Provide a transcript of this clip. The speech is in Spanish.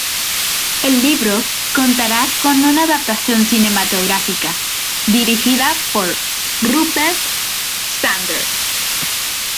El libro contará con una adaptación cinematográfica dirigida por Rupert Sanders.